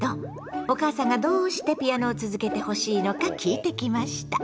お母さんがどうしてピアノを続けてほしいのか聞いてきました。